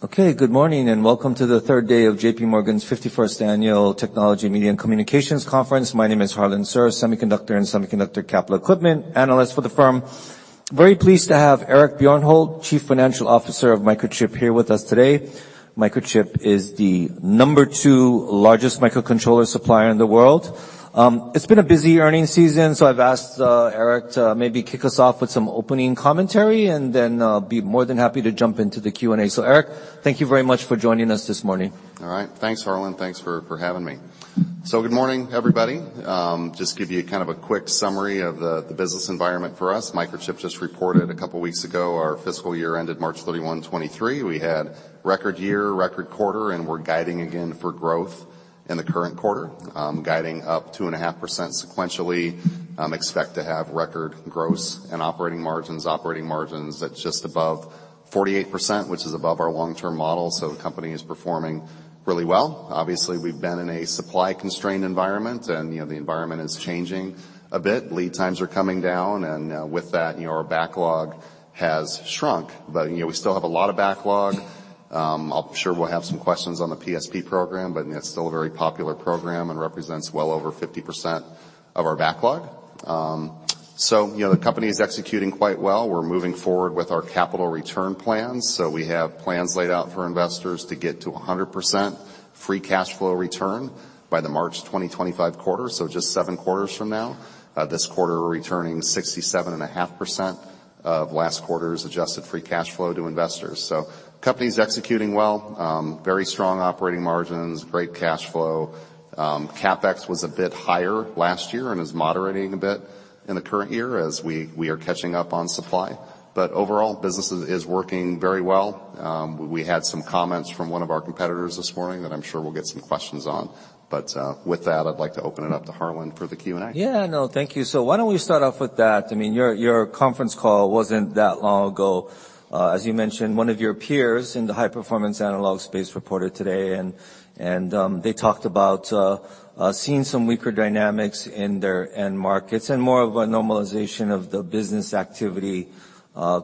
Okay, good morning, and welcome to the third day of J.P. Morgan's 51st annual Technology, Media, and Communications Conference. My name is Harlan Sur, semiconductor and semiconductor capital equipment analyst for the firm. Very pleased to have Eric Bjornholt, Chief Financial Officer of Microchip, here with us today. Microchip is the number two largest microcontroller supplier in the world. It's been a busy earnings season, so I've asked Eric to maybe kick us off with some opening commentary and then I'll be more than happy to jump into the Q&A. Eric, thank you very much for joining us this morning. All right. Thanks, Harlan. Thanks for having me. Good morning, everybody. Just to give you kind of a quick summary of the business environment for us, Microchip just reported a couple weeks ago our fiscal year ended March 31, 2023. We had record year, record quarter, and we're guiding again for growth in the current quarter. Guiding up 2.5% sequentially, expect to have record gross and operating margins. Operating margins at just above 48%, which is above our long-term model, the company is performing really well. Obviously, we've been in a supply-constrained environment and, you know, the environment is changing a bit. Lead times are coming down, and with that, you know, our backlog has shrunk. You know, we still have a lot of backlog. I'm sure we'll have some questions on the PSP program, but, you know, it's still a very popular program and represents well over 50% of our backlog. You know, the company is executing quite well. We're moving forward with our capital return plans, so we have plans laid out for investors to get to a 100% free cash flow return by the March 2025 quarter, so just seven quarters from now. This quarter, we're returning 67.5% of last quarter's adjusted free cash flow to investors. Company's executing well. Very strong operating margins, great cash flow. CapEx was a bit higher last year and is moderating a bit in the current year as we are catching up on supply. Overall, business is working very well. We had some comments from one of our competitors this morning that I'm sure we'll get some questions on. With that, I'd like to open it up to Harlan for the Q&A. Yeah, no. Thank you. Why don't we start off with that? I mean, your conference call wasn't that long ago. As you mentioned, one of your peers in the high-performance analog space reported today and they talked about seeing some weaker dynamics in their end markets and more of a normalization of the business activity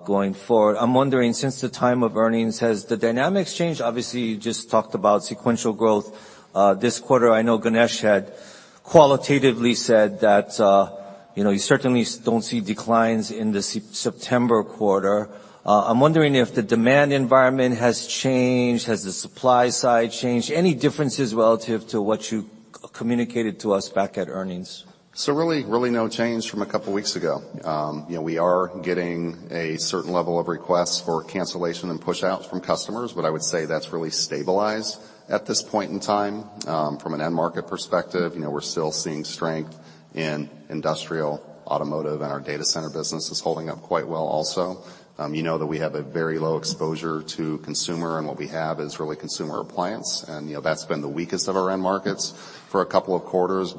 going forward. I'm wondering, since the time of earnings, has the dynamics changed? Obviously, you just talked about sequential growth this quarter. I know Ganesh had qualitatively said that, you know, you certainly don't see declines in the September quarter. I'm wondering if the demand environment has changed. Has the supply side changed? Any differences relative to what you communicated to us back at earnings? Really, really no change from a couple weeks ago. You know, we are getting a certain level of requests for cancellation and pushouts from customers, but I would say that's really stabilized at this point in time. From an end market perspective, you know, we're still seeing strength in industrial, automotive, and our data center business is holding up quite well also. You know that we have a very low exposure to consumer, and what we have is really consumer appliance, and, you know, that's been the weakest of our end markets for a couple of quarters.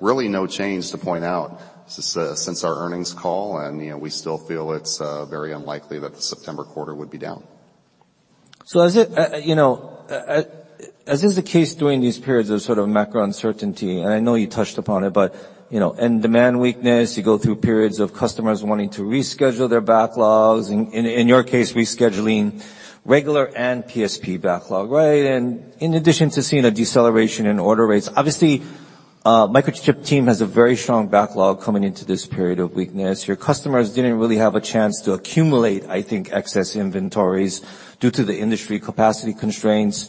Really no change to point out since our earnings call, and, you know, we still feel it's very unlikely that the September quarter would be down. You know, as is the case during these periods of sort of macro uncertainty, and I know you touched upon it, but, you know, end demand weakness, you go through periods of customers wanting to reschedule their backlogs. In your case, rescheduling regular and PSP backlog, right? In addition to seeing a deceleration in order rates, obviously, Microchip team has a very strong backlog coming into this period of weakness. Your customers didn't really have a chance to accumulate, I think, excess inventories due to the industry capacity constraints.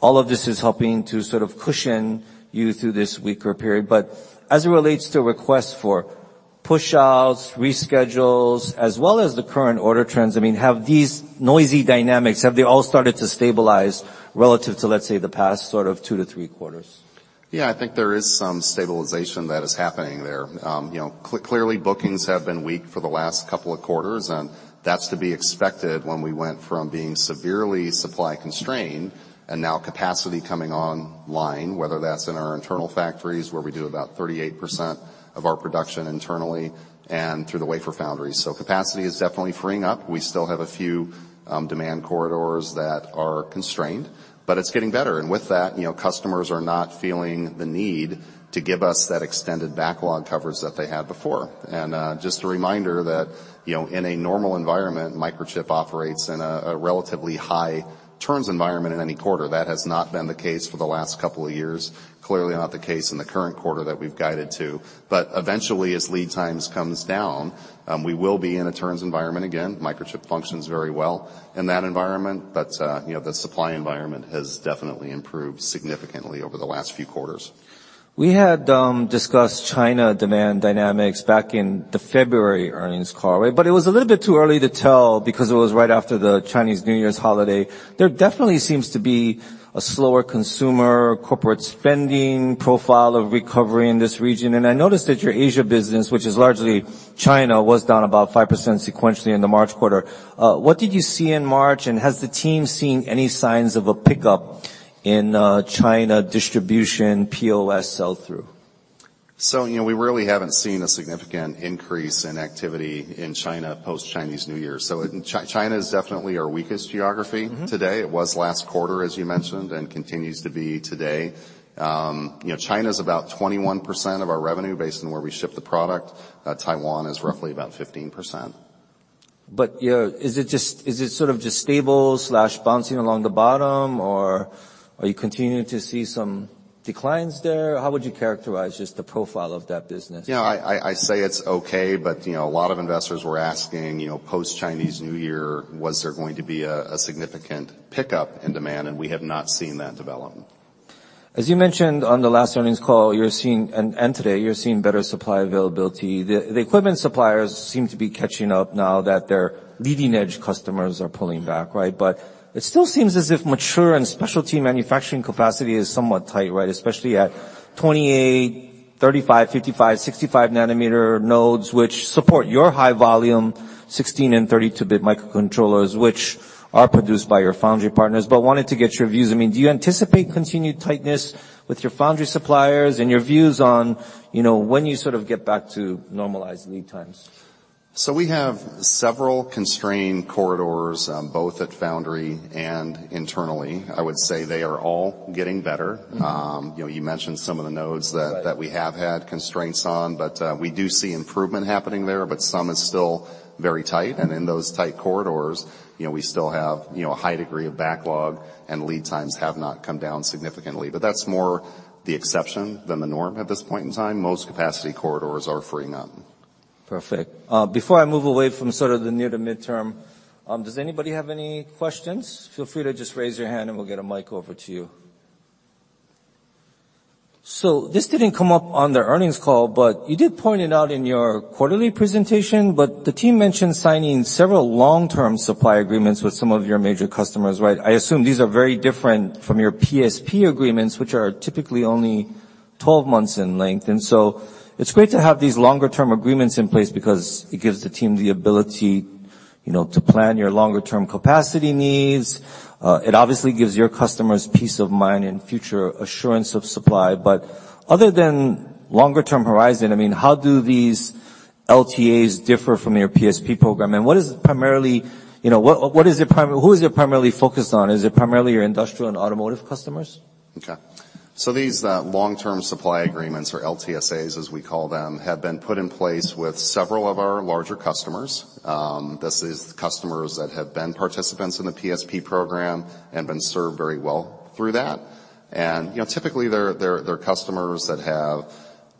All of this is helping to sort of cushion you through this weaker period. As it relates to requests for pushouts, reschedules, as well as the current order trends, I mean, have these noisy dynamics, have they all started to stabilize relative to, let's say, the past sort of two to three quarters? Yeah, I think there is some stabilization that is happening there. You know, clearly, bookings have been weak for the last couple of quarters. That's to be expected when we went from being severely supply-constrained and now capacity coming online, whether that's in our internal factories, where we do about 38% of our production internally and through the wafer foundries. Capacity is definitely freeing up. We still have a few demand corridors that are constrained. It's getting better. With that, you know, customers are not feeling the need to give us that extended backlog coverage that they had before. Just a reminder that, you know, in a normal environment, Microchip operates in a relatively high turns environment in any quarter. That has not been the case for the last couple of years. Clearly not the case in the current quarter that we've guided to. Eventually, as lead times comes down, we will be in a turns environment again. Microchip functions very well in that environment. You know, the supply environment has definitely improved significantly over the last few quarters. We had discussed China demand dynamics back in the February earnings call, right? It was a little bit too early to tell because it was right after the Chinese New Year holiday. There definitely seems to be a slower consumer corporate spending profile of recovery in this region. I noticed that your Asia business, which is largely China, was down about 5% sequentially in the March quarter. What did you see in March, and has the team seen any signs of a pickup in China distribution POS sell-through? You know, we really haven't seen a significant increase in activity in China post-Chinese New Year. China is definitely our weakest geography. Mm-hmm. today. It was last quarter, as you mentioned, and continues to be today. you know, China's about 21% of our revenue based on where we ship the product. Taiwan is roughly about 15%. Yeah, is it sort of just stable/bouncing along the bottom, or are you continuing to see some declines there? How would you characterize just the profile of that business? I say it's okay, but, you know, a lot of investors were asking, you know, post-Chinese New Year, was there going to be a significant pickup in demand, and we have not seen that development. As you mentioned on the last earnings call, today, you're seeing better supply availability. The equipment suppliers seem to be catching up now that their leading-edge customers are pulling back, right? But it still seems as if mature and specialty manufacturing capacity is somewhat tight, right? Especially at 28, 35, 55, 65-nanometer nodes, which support your high volume, 16-bit and 32-bit microcontrollers, which are produced by your foundry partners. But wanted to get your views. I mean, do you anticipate continued tightness with your foundry suppliers and your views on, you know, when you sort of get back to normalized lead times? We have several constrained corridors, both at foundry and internally. I would say they are all getting better. Mm-hmm. You know, you mentioned some of the nodes. Right... that we have had constraints on, but we do see improvement happening there, but some is still very tight. Mm-hmm. In those tight corridors, you know, we still have, you know, a high degree of backlog and lead times have not come down significantly. That's more the exception than the norm at this point in time. Most capacity corridors are freeing up. Perfect. Before I move away from sort of the near to midterm, does anybody have any questions? Feel free to just raise your hand, and we'll get a mic over to you. This didn't come up on the earnings call, but you did point it out in your quarterly presentation, but the team mentioned signing several long-term supply agreements with some of your major customers, right? I assume these are very different from your PSP agreements, which are typically only 12 months in length. It's great to have these longer term agreements in place because it gives the team the ability, you know, to plan your longer term capacity needs. It obviously gives your customers peace of mind and future assurance of supply. Other than longer term horizon, I mean, how do these LTAs differ from your PSP program? Who is it primarily focused on? Is it primarily your industrial and automotive customers? Okay. These long-term supply agreements or LTSAs, as we call them, have been put in place with several of our larger customers. This is customers that have been participants in the PSP program and been served very well through that. You know, typically, they're customers that have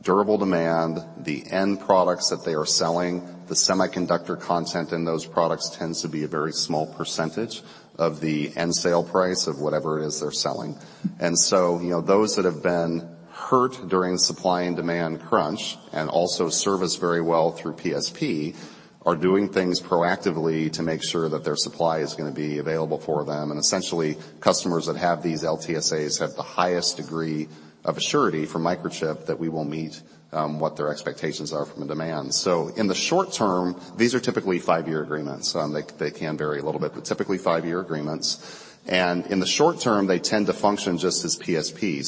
durable demand. The end products that they are selling, the semiconductor content in those products tends to be a very small percentage of the end sale price of whatever it is they're selling. You know, those that have been hurt during supply and demand crunch and also serviced very well through PSP, are doing things proactively to make sure that their supply is gonna be available for them. Essentially, customers that have these LTSAs have the highest degree of surety from Microchip that we will meet what their expectations are from a demand. In the short term, these are typically five year agreements. They can vary a little bit, but typically five year agreements. In the short term, they tend to function just as PSP.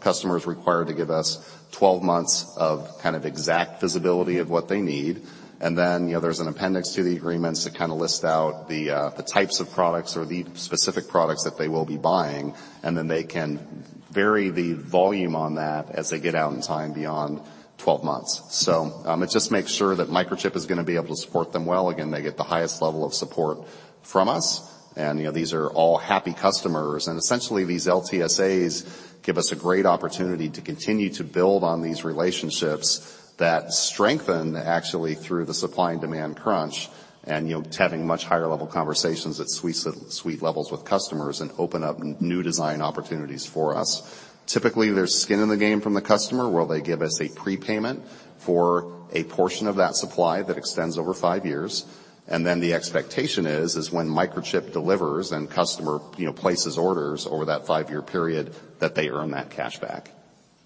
Customers require to give us 12 months of kind of exact visibility of what they need. Then, you know, there's an appendix to the agreements that kind of list out the types of products or the specific products that they will be buying, and then they can vary the volume on that as they get out in time beyond 12 months. It just makes sure that Microchip is going to be able to support them well. Again, they get the highest level of support from us and, you know, these are all happy customers. Essentially, these LTSAs give us a great opportunity to continue to build on these relationships that strengthen actually through the supply and demand crunch and, you know, to having much higher level conversations at suite levels with customers and open up new design opportunities for us. Typically, there's skin in the game from the customer, where they give us a prepayment for a portion of that supply that extends over five years. Then the expectation is when Microchip delivers and customer, you know, places orders over that five year period, that they earn that cash back.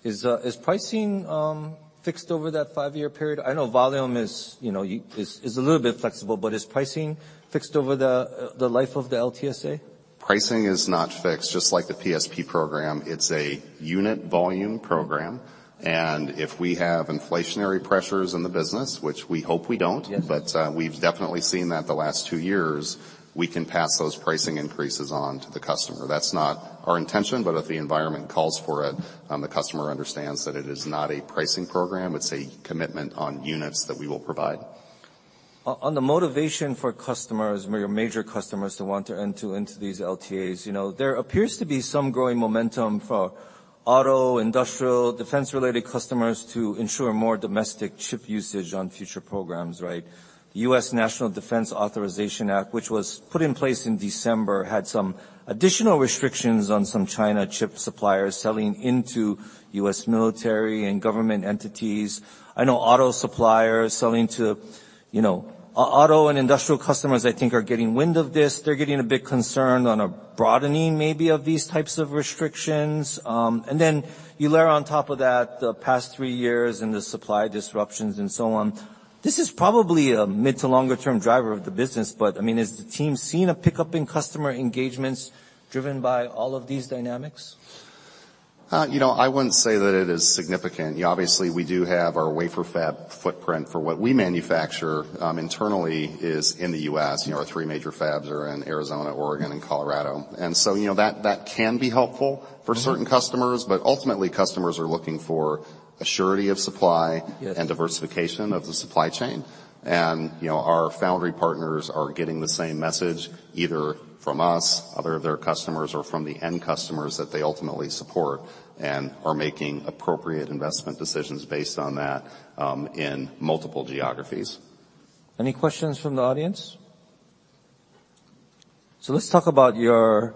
Is pricing fixed over that five year period? I know volume is, you know, is a little bit flexible, but is pricing fixed over the life of the LTSA? Pricing is not fixed, just like the PSP program. It's a unit volume program, and if we have inflationary pressures in the business, which we hope we don't... Yes... We've definitely seen that the last two years, we can pass those pricing increases on to the customer. That's not our intention, but if the environment calls for it, the customer understands that it is not a pricing program, it's a commitment on units that we will provide. On the motivation for customers or your major customers to want to enter into these LTAs, you know, there appears to be some growing momentum for auto, industrial, defense-related customers to ensure more domestic chip usage on future programs, right? U.S. National Defense Authorization Act, which was put in place in December, had some additional restrictions on some China chip suppliers selling into U.S. military and government entities. I know auto suppliers selling to, you know, auto and industrial customers, I think, are getting wind of this. They're getting a bit concerned on a broadening maybe of these types of restrictions. You layer on top of that the past three years and the supply disruptions and so on. This is probably a mid to longer term driver of the business. I mean, is the team seeing a pickup in customer engagements driven by all of these dynamics? You know, I wouldn't say that it is significant. You know, obviously, we do have our wafer fab footprint for what we manufacture, internally is in the U.S. You know, our three major fabs are in Arizona, Oregon, and Colorado. You know, that can be helpful for certain customers, but ultimately, customers are looking for assurity of supply... Yes. diversification of the supply chain. You know, our foundry partners are getting the same message, either from us, other of their customers or from the end customers that they ultimately support and are making appropriate investment decisions based on that in multiple geographies. Any questions from the audience? Let's talk about your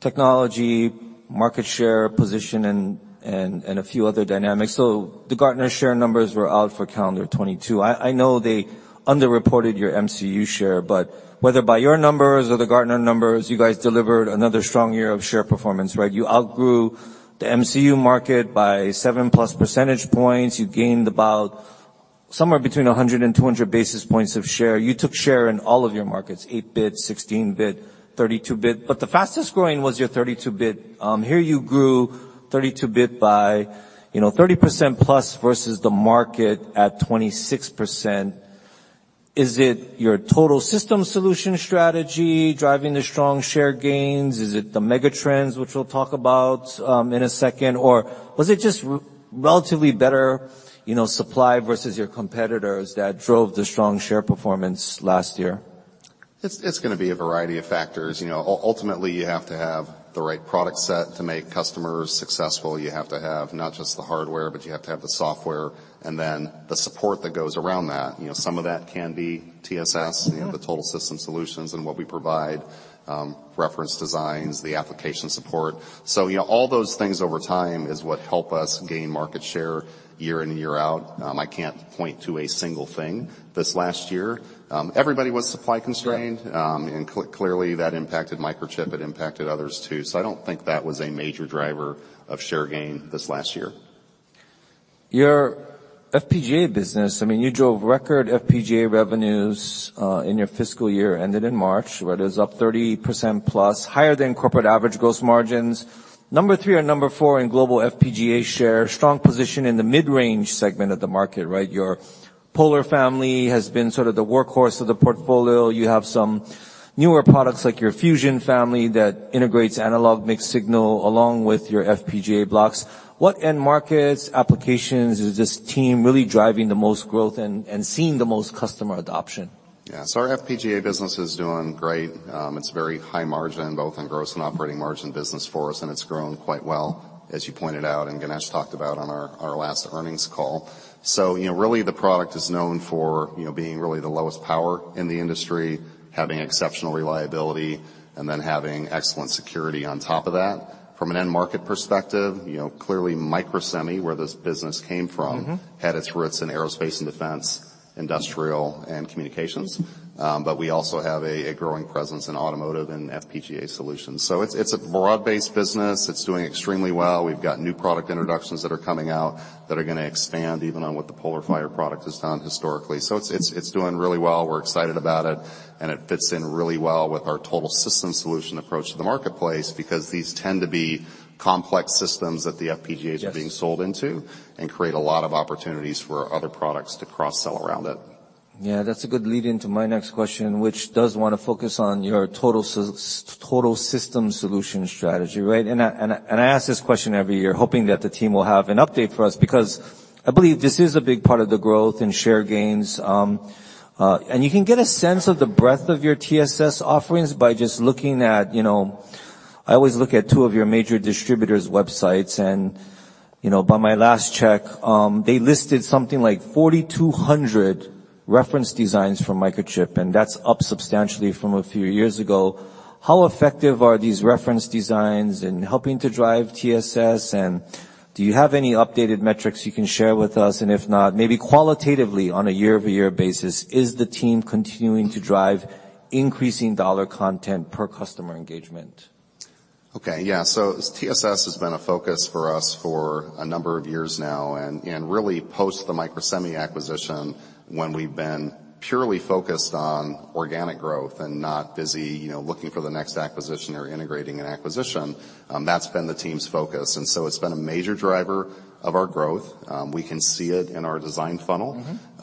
technology, market share, position and, and a few other dynamics. The Gartner share numbers were out for calendar 22. I know they underreported your MCU share, but whether by your numbers or the Gartner numbers, you guys delivered another strong year of share performance, right? You outgrew the MCU market by seven plus percentage points. You gained about somewhere between 100-200 basis points of share. You took share in all of your markets, eight-bit, sixteen-bit, thirty-two-bit, but the fastest growing was your thirty-two-bit. Here you grew thirty-two-bit by, you know, 30%+ versus the market at 26%. Is it your total system solution strategy driving the strong share gains? Is it the mega trends, which we'll talk about, in a second, or was it just relatively better, you know, supply versus your competitors that drove the strong share performance last year? It's gonna be a variety of factors. You know, ultimately, you have to have the right product set to make customers successful. You have to have not just the hardware, but you have to have the software and then the support that goes around that. You know, some of that can be TSS, you know, the total system solutions and what we provide, reference designs, the application support. You know, all those things over time is what help us gain market share year in, year out. I can't point to a single thing this last year. Everybody was supply constrained, and clearly, that impacted Microchip. It impacted others too. I don't think that was a major driver of share gain this last year. Your FPGA business, I mean, you drove record FPGA revenues in your fiscal year ended in March, right? It was up 30%+, higher than corporate average gross margins. Number three or number four in global FPGA share, strong position in the mid-range segment of the market, right? Your PolarFire family has been sort of the workhorse of the portfolio. You have some newer products like your Fusion family that integrates analog mixed signal along with your FPGA blocks. What end markets, applications is this team really driving the most growth and seeing the most customer adoption? Yeah. Our FPGA business is doing great. It's very high margin, both in gross and operating margin business for us, and it's grown quite well, as you pointed out and Ganesh talked about on our last earnings call. You know, really the product is known for, you know, being really the lowest power in the industry, having exceptional reliability, and then having excellent security on top of that. From an end market perspective, you know, clearly Microsemi, where this business came from- Mm-hmm. -had its roots in aerospace and defense, industrial, and communications. We also have a growing presence in automotive and FPGA solutions. It's a broad-based business. It's doing extremely well. We've got new product introductions that are coming out that are gonna expand even on what the PolarFire product has done historically. It's doing really well. We're excited about it, and it fits in really well with our total system solution approach to the marketplace because these tend to be complex systems that the FPGAs... Yes. -are being sold into and create a lot of opportunities for other products to cross-sell around it. Yeah, that's a good lead into my next question, which does wanna focus on your Total System Solution strategy, right? I ask this question every year hoping that the team will have an update for us because I believe this is a big part of the growth and share gains. You can get a sense of the breadth of your TSS offerings by just looking at, you know. I always look at two of your major distributors' websites and, you know, by my last check, they listed something like 4,200 reference designs from Microchip, and that's up substantially from a few years ago. How effective are these reference designs in helping to drive TSS, and do you have any updated metrics you can share with us? If not, maybe qualitatively on a year-over-year basis, is the team continuing to drive increasing dollar content per customer engagement? TSS has been a focus for us for a number of years now and really post the Microsemi acquisition when we've been purely focused on organic growth and not busy, you know, looking for the next acquisition or integrating an acquisition. That's been the team's focus and so it's been a major driver of our growth. We can see it in our design funnel.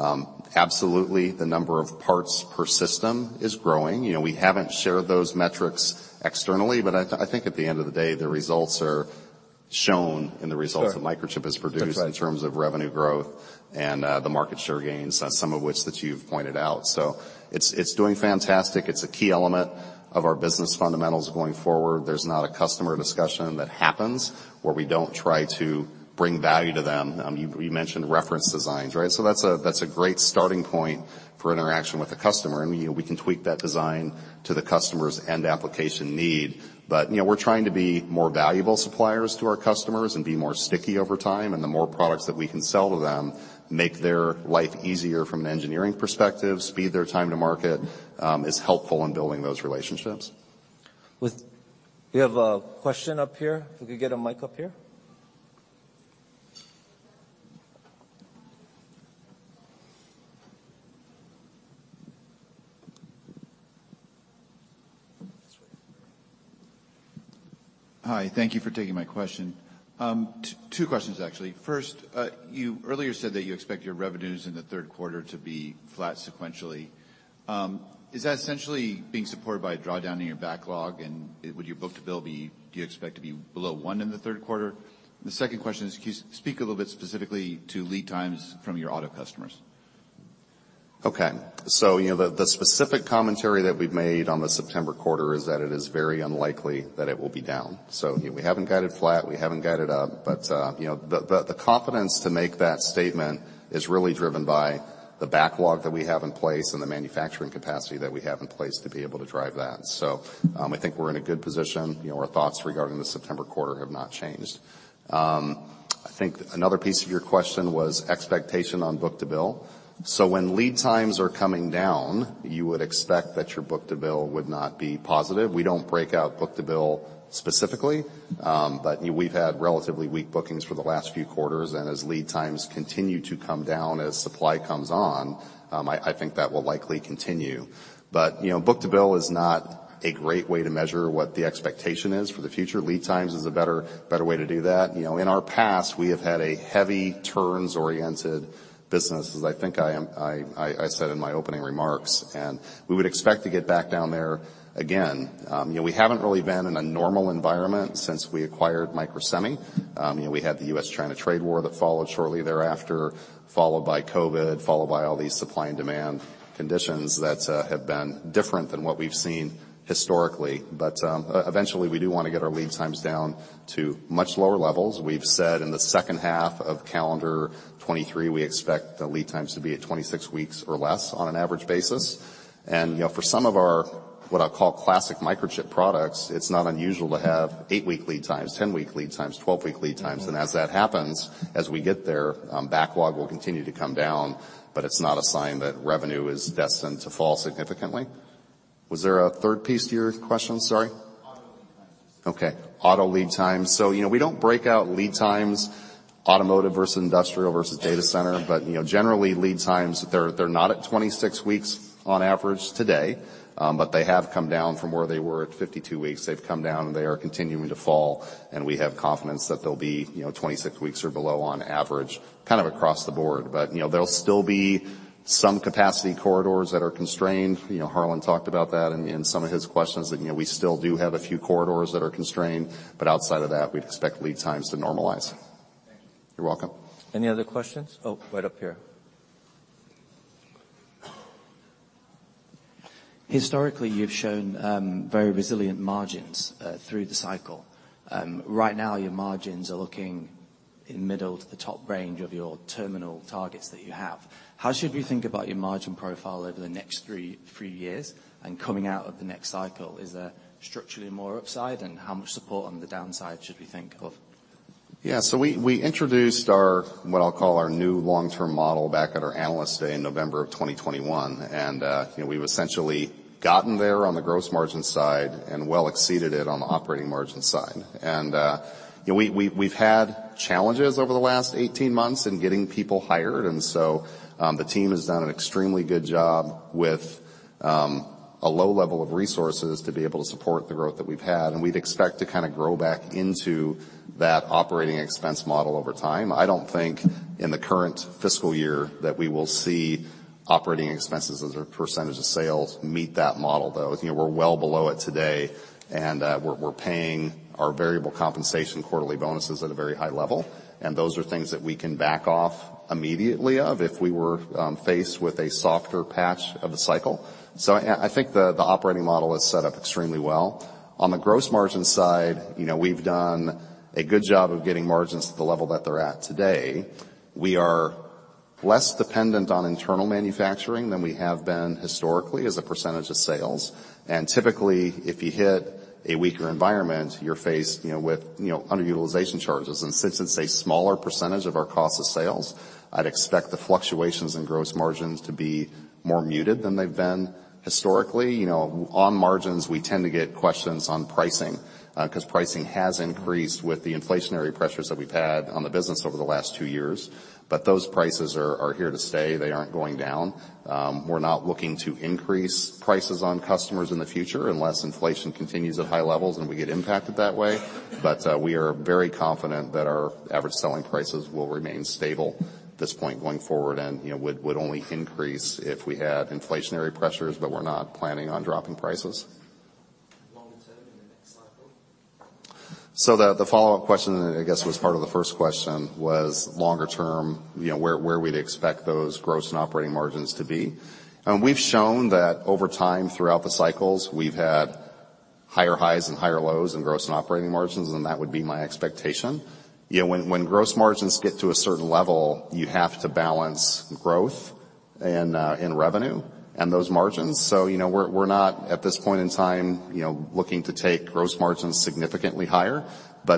Mm-hmm. Absolutely, the number of parts per system is growing. You know, we haven't shared those metrics externally, but I think at the end of the day, the results are shown in the results. Sure. -that Microchip has produced- That's right. In terms of revenue growth and the market share gains, some of which that you've pointed out. It's doing fantastic. It's a key element of our business fundamentals going forward. There's not a customer discussion that happens where we don't try to bring value to them. You mentioned reference designs, right? That's a great starting point for interaction with the customer, and, you know, we can tweak that design to the customer's end application need. You know, we're trying to be more valuable suppliers to our customers and be more sticky over time, and the more products that we can sell to them make their life easier from an engineering perspective, speed their time to market, is helpful in building those relationships. We have a question up here. If we could get a mic up here. Hi. Thank you for taking my question. Two questions, actually. First, you earlier said that you expect your revenues in the third quarter to be flat sequentially. Is that essentially being supported by a drawdown in your backlog, and would your book-to-bill do you expect to be below one in the third quarter? The second question is can you speak a little bit specifically to lead times from your auto customers. Okay. You know, the specific commentary that we've made on the September quarter is that it is very unlikely that it will be down. We haven't guided flat, we haven't guided up, but, you know, the confidence to make that statement is really driven by the backlog that we have in place and the manufacturing capacity that we have in place to be able to drive that. I think we're in a good position. You know, our thoughts regarding the September quarter have not changed. I think another piece of your question was expectation on book-to-bill. When lead times are coming down, you would expect that your book-to-bill would not be positive. We don't break out book-to-bill specifically, but we've had relatively weak bookings for the last few quarters, and as lead times continue to come down, as supply comes on, I think that will likely continue. You know, book-to-bill is not a great way to measure what the expectation is for the future. Lead times is a better way to do that. You know, in our past, we have had a heavy turns-oriented business, as I think I said in my opening remarks, and we would expect to get back down there again. You know, we haven't really been in a normal environment since we acquired Microsemi. You know, we had the U.S.-China trade war that followed shortly thereafter, followed by COVID, followed by all these supply and demand conditions that have been different than what we've seen historically. Eventually, we do wanna get our lead times down to much lower levels. We've said in the second half of calendar 2023, we expect the lead times to be at 26 weeks or less on an average basis. You know, for some of our, what I call classic Microchip products, it's not unusual to have eight week lead times, 10-week lead times, 12-week lead times. As that happens, as we get there, backlog will continue to come down, but it's not a sign that revenue is destined to fall significantly. Was there a third piece to your question? Sorry. Auto lead times. Auto lead times. You know, we don't break out lead times automotive versus industrial versus data center, but, you know, generally, lead times, they're not at 26 weeks on average today, but they have come down from where they were at 52 weeks. They've come down, and they are continuing to fall, and we have confidence that they'll be, you know, 26 weeks or below on average, kind of across the board. You know, there'll still be some capacity corridors that are constrained. You know, Harlan talked about that in some of his questions that, you know, we still do have a few corridors that are constrained, but outside of that, we'd expect lead times to normalize. Thank you. You're welcome. Any other questions? Oh, right up here. Historically, you've shown very resilient margins through the cycle. Right now, your margins are looking in middle to the top range of your terminal targets that you have. How should we think about your margin profile over the next three years and coming out of the next cycle? Is there structurally more upside, and how much support on the downside should we think of? We introduced our, what I'll call our new long-term model back at our Analyst Day in November of 2021, you know, we've essentially gotten there on the gross margin side and well exceeded it on the operating margin side. You know, we've had challenges over the last 18 months in getting people hired, the team has done an extremely good job with a low level of resources to be able to support the growth that we've had, and we'd expect to kinda grow back into that operating expense model over time. I don't think in the current fiscal year that we will see operating expenses as a percentage of sales meet that model, though. You know, we're well below it today, and we're paying our variable compensation quarterly bonuses at a very high level, and those are things that we can back off immediately of if we were faced with a softer patch of the cycle. I think the operating model is set up extremely well. On the gross margin side, you know, we've done a good job of getting margins to the level that they're at today. We are less dependent on internal manufacturing than we have been historically as a percentage of sales. Typically, if you hit a weaker environment, you're faced, you know, with underutilization charges. Since it's a smaller percentage of our cost of sales, I'd expect the fluctuations in gross margins to be more muted than they've been historically. You know, on margins, we tend to get questions on pricing, 'cause pricing has increased with the inflationary pressures that we've had on the business over the last two years, but those prices are here to stay. They aren't going down. We're not looking to increase prices on customers in the future unless inflation continues at high levels and we get impacted that way. We are very confident that our average selling prices will remain stable at this point going forward and, you know, would only increase if we had inflationary pressures, but we're not planning on dropping prices. Longer term in the next cycle? The follow-up question, I guess was part of the first question, was longer term, you know, where we'd expect those gross and operating margins to be. We've shown that over time throughout the cycles, we've had higher highs and higher lows in gross and operating margins, and that would be my expectation. You know, when gross margins get to a certain level, you have to balance growth and revenue and those margins. You know, we're not, at this point in time, you know, looking to take gross margins significantly higher. You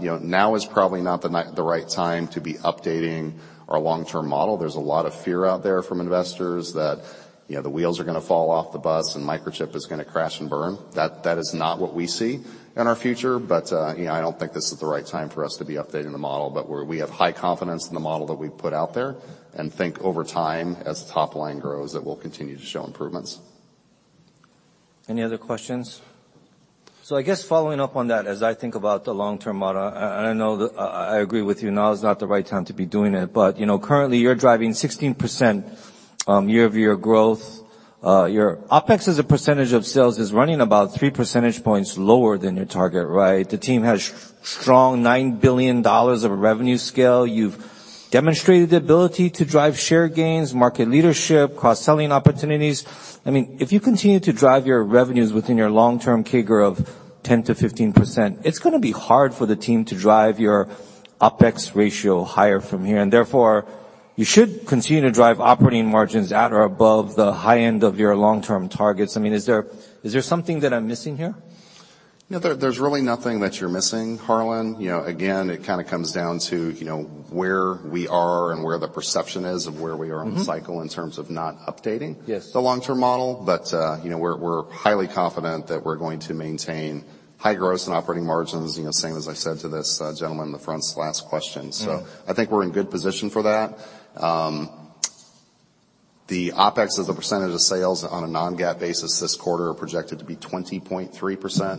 know, now is probably not the right time to be updating our long-term model. There's a lot of fear out there from investors that, you know, the wheels are gonna fall off the bus and Microchip is gonna crash and burn. That is not what we see in our future, you know, I don't think this is the right time for us to be updating the model. We have high confidence in the model that we've put out there and think over time, as the top line grows, it will continue to show improvements. Any other questions? I guess following up on that, as I think about the long-term model, and I know that I agree with you, now is not the right time to be doing it, but, you know, currently you're driving 16% year-over-year growth. Your OpEx as a percentage of sales is running about three percentage points lower than your target, right? The team has strong $9 billion of revenue scale. You've demonstrated the ability to drive share gains, market leadership, cross-selling opportunities. I mean, if you continue to drive your revenues within your long-term CAGR of 10%-15%, it's gonna be hard for the team to drive your OpEx ratio higher from here, and therefore you should continue to drive operating margins at or above the high end of your long-term targets. I mean, is there something that I'm missing here? No, there's really nothing that you're missing, Harlan. You know, again, it kind of comes down to, you know, where we are and where the perception is of where we are. Mm-hmm. -on the cycle in terms of not updating- Yes. the long-term model. You know, we're highly confident that we're going to maintain high gross and operating margins, you know, same as I said to this gentleman in the front's last question. Mm-hmm. I think we're in good position for that. The OpEx as a percentage of sales on a non-GAAP basis this quarter are projected to be 20.3%.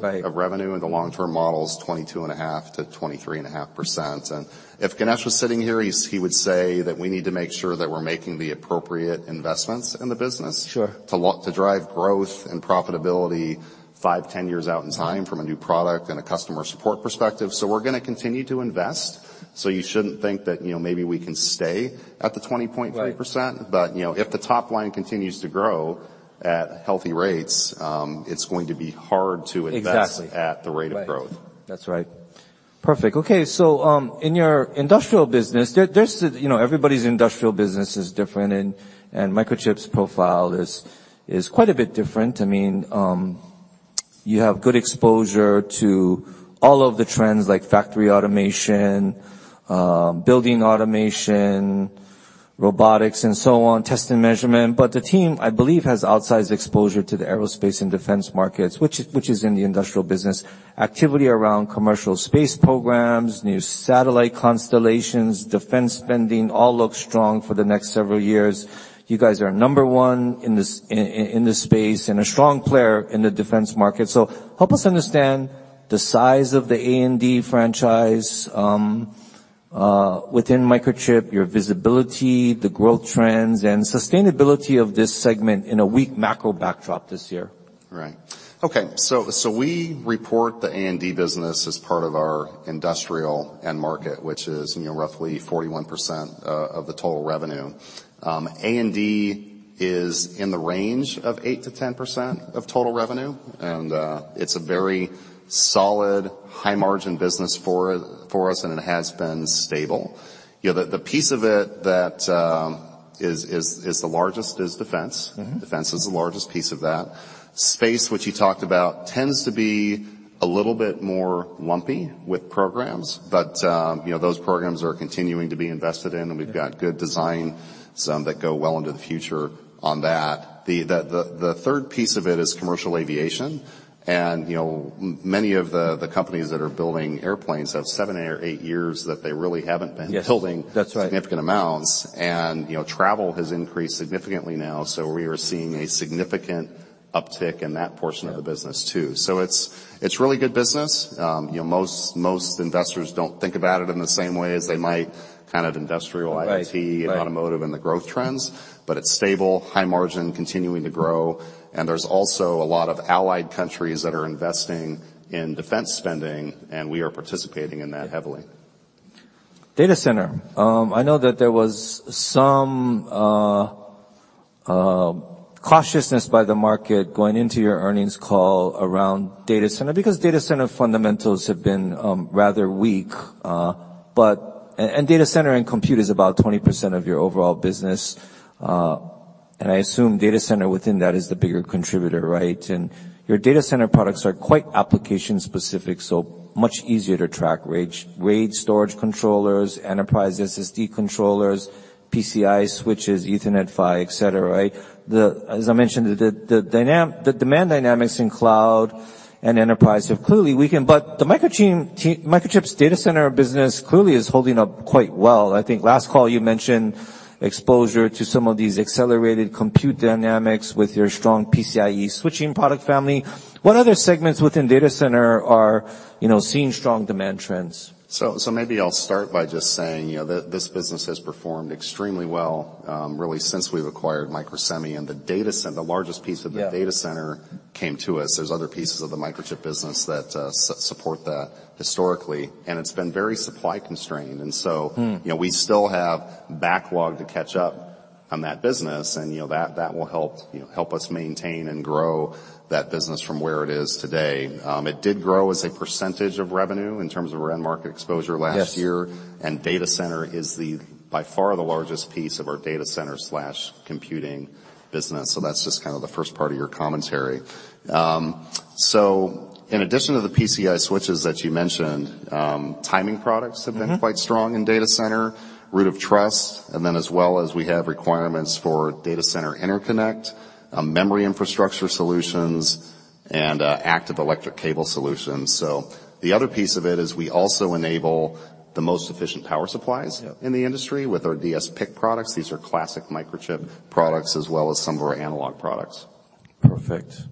Right. -of revenue, and the long-term model is 22.5%-23.5%. If Ganesh was sitting here, he would say that we need to make sure that we're making the appropriate investments in the business. Sure. to drive growth and profitability five, 10 years out in time from a new product and a customer support perspective. We're gonna continue to invest, so you shouldn't think that, you know, maybe we can stay at the 20.3%. Right. You know, if the top line continues to grow at healthy rates, it's going to be hard to. Exactly. at the rate of growth. Right. That's right. Perfect. In your industrial business, there's, you know, everybody's industrial business is different and Microchip's profile is quite a bit different. I mean, you have good exposure to all of the trends like factory automation, building automation, robotics and so on, test and measurement. The team, I believe, has outsized exposure to the aerospace and defense markets, which is in the industrial business. Activity around commercial space programs, new satellite constellations, defense spending, all look strong for the next several years. You guys are number 1 in this, in this space and a strong player in the defense market. Help us understand the size of the A&D franchise within Microchip, your visibility, the growth trends, and sustainability of this segment in a weak macro backdrop this year. Right. Okay. We report the A&D business as part of our industrial end market, which is, you know, roughly 41% of the total revenue. A&D is in the range of 8%-10% of total revenue, and it's a very solid high-margin business for us, and it has been stable. You know, the piece of it that is the largest is defense. Mm-hmm. Defense is the largest piece of that. Space, which you talked about, tends to be a little bit more lumpy with programs, but, you know, those programs are continuing to be invested in, and we've got good design, some that go well into the future on that. The third piece of it is commercial aviation. You know, many of the companies that are building airplanes have seven or eight years that they really haven't been- Yes. -building- That's right. significant amounts. You know, travel has increased significantly now, so we are seeing a significant uptick in that portion of the business too. It's really good business. You know, most investors don't think about it in the same way as they might kind of industrial IT- Right. Right. Automotive and the growth trends. It's stable, high margin, continuing to grow. There's also a lot of allied countries that are investing in defense spending. We are participating in that heavily. Data center. I know that there was some cautiousness by the market going into your earnings call around data center because data center fundamentals have been rather weak. And data center and compute is about 20% of your overall business. And I assume data center within that is the bigger contributor, right? And your data center products are quite application specific, so much easier to track RAID, storage controllers, enterprise SSD controllers, PCI switches, Ethernet PHY, et cetera, right? As I mentioned, the demand dynamics in cloud and enterprise have clearly weakened, the Microchip's data center business clearly is holding up quite well. I think last call you mentioned exposure to some of these accelerated compute dynamics with your strong PCIe switching product family. What other segments within data center are, you know, seeing strong demand trends? Maybe I'll start by just saying, you know, this business has performed extremely well, really since we've acquired Microsemi and the largest piece of the data center came to us. There's other pieces of the Microchip business that support that historically, and it's been very supply constrained. Hmm. you know, we still have backlog to catch up on that business and, you know, that will help, you know, help us maintain and grow that business from where it is today. It did grow as a percentage of revenue in terms of our end market exposure last year. Yes. Data center is the, by far, the largest piece of our data center/computing business, so that's just kind of the first part of your commentary. In addition to the PCI switches that you mentioned, timing products have been. Mm-hmm. quite strong in data center, root of trust, and then as well as we have requirements for data center interconnect, memory infrastructure solutions, and Active Electrical Cable solutions. The other piece of it is we also enable the most efficient power supplies. Yeah. in the industry with our dsPIC products. These are classic Microchip products as well as some of our analog products. Perfect.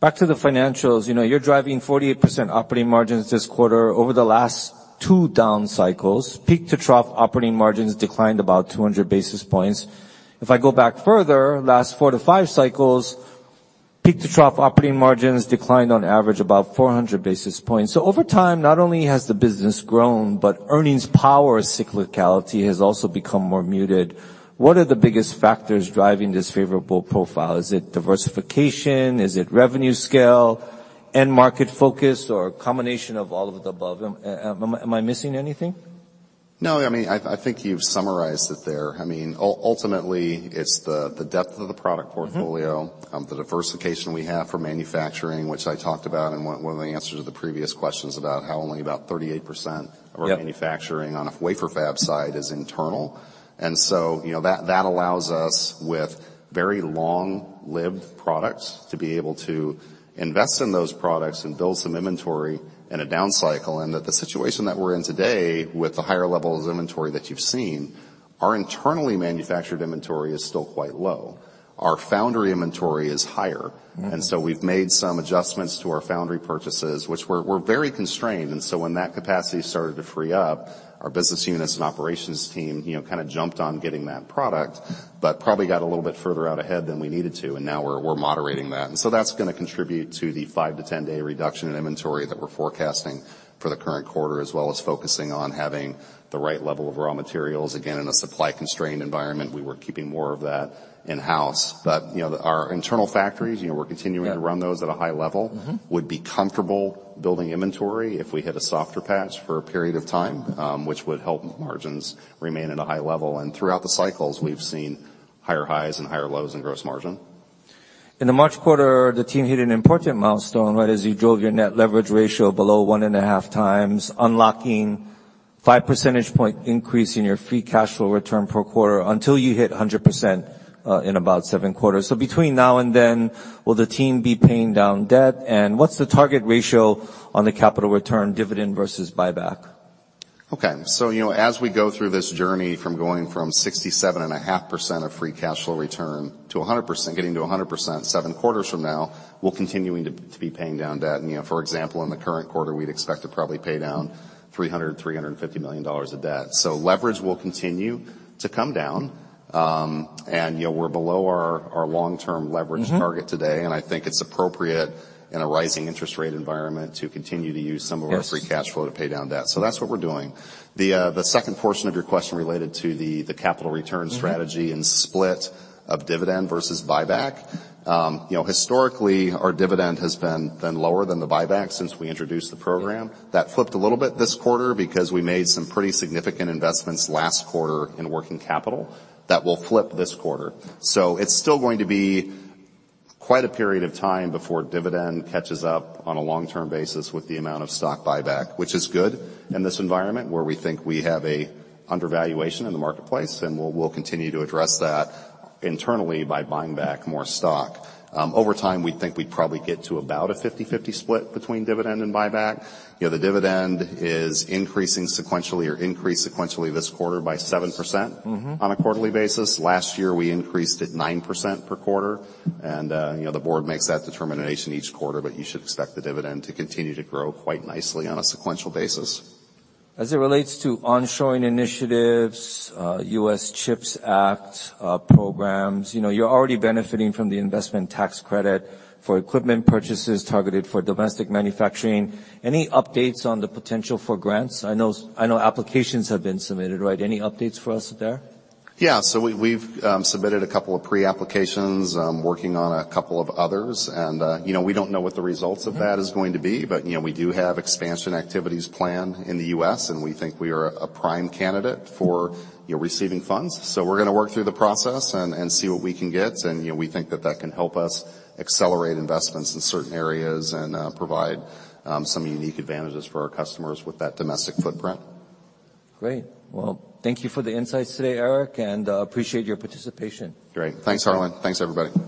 Back to the financials. You know, you're driving 48% operating margins this quarter. Over the last two down cycles, peak-to-trough operating margins declined about 200 basis points. If I go back further, last four to five cycles, peak-to-trough operating margins declined on average about 400 basis points. Over time, not only has the business grown, but earnings power cyclicality has also become more muted. What are the biggest factors driving this favorable profile? Is it diversification? Is it revenue scale, end market focus, or a combination of all of the above? Am I missing anything? No, I mean, I think you've summarized it there. I mean, ultimately it's the depth of the product portfolio... Mm-hmm ...the diversification we have for manufacturing, which I talked about in one of the answers to the previous questions about how only about 38%- Yeah of our manufacturing on a wafer fab side is internal. You know, that allows us with very long-lived products to be able to invest in those products and build some inventory in a down cycle, and that the situation that we're in today with the higher levels of inventory that you've seen, our internally manufactured inventory is still quite low. Our foundry inventory is higher. Mm-hmm. We've made some adjustments to our foundry purchases, which we're very constrained. When that capacity started to free up, our business units and operations team, you know, kind of jumped on getting that product, but probably got a little bit further out ahead than we needed to, and now we're moderating that. That's gonna contribute to the five to 10 day reduction in inventory that we're forecasting for the current quarter, as well as focusing on having the right level of raw materials. Again, in a supply constrained environment, we were keeping more of that in-house. You know, our internal factories, you know, we're continuing to run those at a high level. Mm-hmm. Would be comfortable building inventory if we hit a softer patch for a period of time, which would help margins remain at a high level. Throughout the cycles, we've seen higher highs and higher lows in gross margin. In the March quarter, the team hit an important milestone, right? As you drove your net leverage ratio below one and a half times, unlocking five percentage point increase in your free cash flow return per quarter until you hit 100% in about seven quarters. Between now and then, will the team be paying down debt? What's the target ratio on the capital return dividend versus buyback? Okay. You know, as we go through this journey from going from 67.5% of free cash flow return to 100%, getting to 100% seven quarters from now, we're continuing to be paying down debt. You know, for example, in the current quarter, we'd expect to probably pay down $350 million of debt. Leverage will continue to come down. You know, we're below our long-term leverage target today. Mm-hmm. I think it's appropriate in a rising interest rate environment to continue to use some of our- Yes ...free cash flow to pay down debt. That's what we're doing. The second portion of your question related to the capital return strategy. Mm-hmm ...and split of dividend versus buyback. You know, historically, our dividend has been lower than the buyback since we introduced the program. That flipped a little bit this quarter because we made some pretty significant investments last quarter in working capital that will flip this quarter. It's still going to be quite a period of time before dividend catches up on a long-term basis with the amount of stock buyback, which is good in this environment where we think we have a undervaluation in the marketplace, and we'll continue to address that internally by buying back more stock. Over time, we think we'd probably get to about a 50/50 split between dividend and buyback. You know, the dividend is increasing sequentially or increased sequentially this quarter by 7%- Mm-hmm on a quarterly basis. Last year, we increased it 9% per quarter. You know, the board makes that determination each quarter, but you should expect the dividend to continue to grow quite nicely on a sequential basis. As it relates to onshoring initiatives, US CHIPS Act programs, you know, you're already benefiting from the Investment Tax Credit for equipment purchases targeted for domestic manufacturing. Any updates on the potential for grants? I know applications have been submitted, right? Any updates for us there? Yeah. We've submitted a couple of pre-applications, working on a couple of others. You know, we don't know what the results of that is going to be, but, you know, we do have expansion activities planned in the U.S., and we think we are a prime candidate for, you know, receiving funds. We're gonna work through the process and see what we can get. You know, we think that that can help us accelerate investments in certain areas and provide some unique advantages for our customers with that domestic footprint. Great. Well, thank you for the insights today, Eric, and appreciate your participation. Great. Thanks, Harlan. Thanks, everybody.